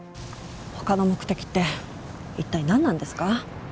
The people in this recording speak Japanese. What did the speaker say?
他の目的って一体なんなんですか？